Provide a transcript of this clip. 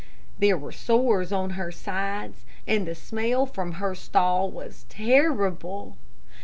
There were sores on her sides, and the smell from her stall was terrible.